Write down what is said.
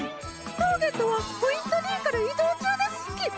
ターゲットはポイントＤから移動中ですヒキ。